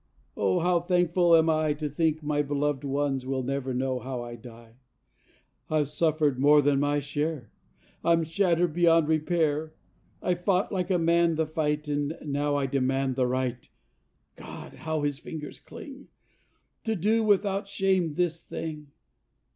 Oh, how thankful am I To think my beloved ones Will never know how I die! I've suffered more than my share; I'm shattered beyond repair; I've fought like a man the fight, And now I demand the right (God! how his fingers cling!) To do without shame this thing.